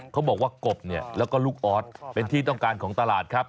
เขาบอกว่ากบเนี่ยแล้วก็ลูกออสเป็นที่ต้องการของตลาดครับ